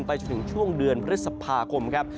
ไปถึงช่วงเดือนพฤษภาคมครับ